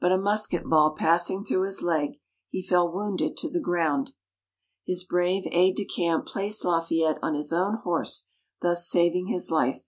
But a musket ball passing through his leg, he fell wounded to the ground. His brave aide de camp placed Lafayette on his own horse, thus saving his life.